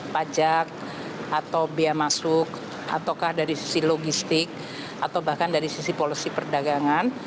pajak atau biaya masuk ataukah dari sisi logistik atau bahkan dari sisi polusi perdagangan